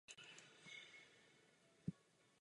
Následující den se sám přihlásil policii.